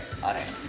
あれ。